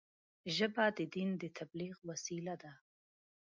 ژبه د دین د تبلیغ وسیله ده